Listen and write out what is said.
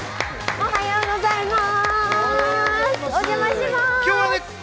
おはようございます！